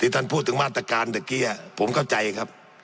ท่านพูดถึงมาตรการเมื่อกี้ผมเข้าใจครับ